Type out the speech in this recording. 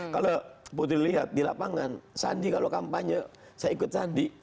kalau putri lihat di lapangan sandi kalau kampanye saya ikut sandi